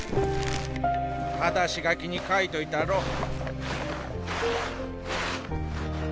ただし書きに書いといたろ。